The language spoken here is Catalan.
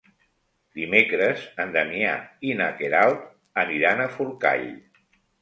Dimecres en Damià i na Queralt aniran a Forcall.